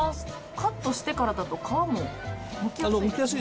カットしてからだと皮もむきやすい。